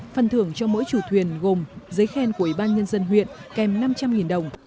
phần thưởng cho mỗi chủ thuyền gồm giấy khen của ubnd huyện kèm năm trăm linh đồng